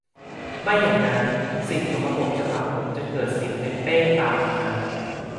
ไม่อย่างนั้นสิ่งสกปรกจะหมักหมมจนเกิดสิวเม็ดเป้งตามมา